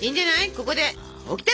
ここでオキテ！